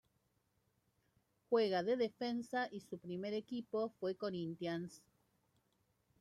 Juega de defensa y su primer equipo fue Corinthians.